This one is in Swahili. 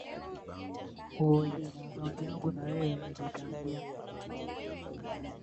nchini marekani juma hili kulikuwa na uchaguzi wa muhula